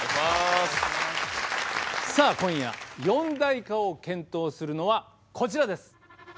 さあ今夜四大化を検討するのはこちらです。